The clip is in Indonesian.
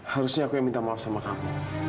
harusnya aku yang minta maaf sama kamu